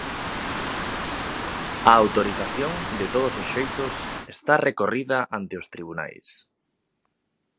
A autorización, de todos os xeitos, está recorrida ante os tribunais.